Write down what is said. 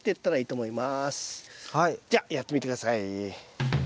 じゃあやってみて下さい。